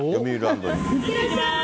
いってらっしゃい。